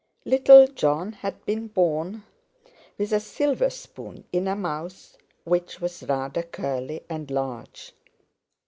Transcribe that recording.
Little Jon had been born with a silver spoon in a mouth which was rather curly and large.